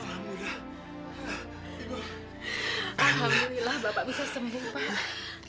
alhamdulillah bapak bisa sembuh pak